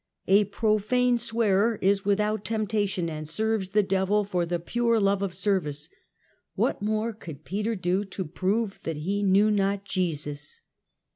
A profane swearer is without temptation, and serves the devil for the pure love of the serWce. What more could Peter do to prove that he knew not Jesus?